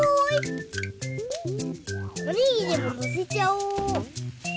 おにぎりものせちゃおう。